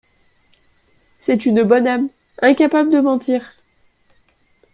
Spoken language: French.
C’est une bonne âme, incapable de mentir !